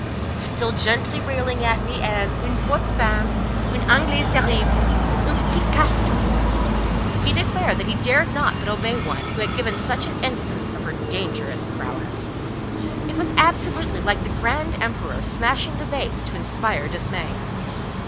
Still gently railing at me as "une forte femme—une Anglaise terrible—une petite casse tout"—he declared that he dared not but obey one who had given such an instance of her dangerous prowess; it was absolutely like the "grand Empereur smashing the vase to inspire dismay."